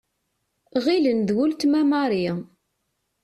Ɣilen d uletma Marie.